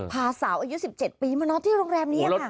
พาสาวอายุ๑๗ปีมานอนที่โรงแรมนี้ค่ะ